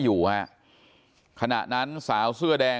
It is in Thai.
โปรดติดตามต่อไป